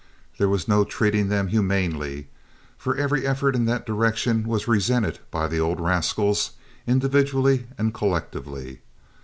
There was no treating them humanely, for every effort in that direction was resented by the old rascals, individually and collectively.